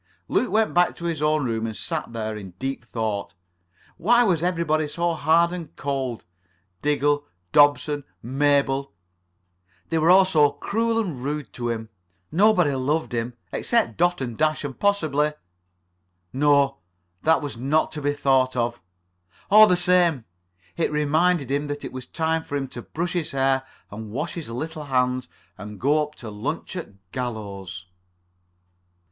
Luke went back to his own room and sat there deep in thought. Why was everybody so hard and cold? Diggle, Dobson, Mabel—they were all so cruel and rude to him. Nobody loved him. Except Dot and Dash, and possibly ... No, that was not to be thought of. All the same it reminded him that it was time for him to brush his hair and wash his little hands, and go up to lunch at Gallows.